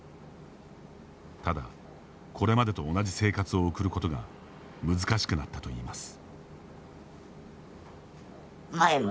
ただ、これまでと同じ生活を送ることが難しくなったといいます。